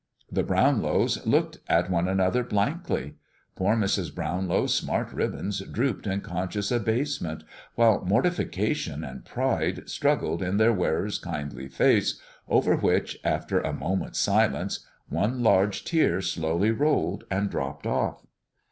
The Brownlows looked at one another blankly. Poor Mrs. Brownlow's smart ribbons drooped in conscious abasement, while mortification and pride struggled in their wearer's kindly face, over which, after a moment's silence, one large tear slowly rolled, and dropped off.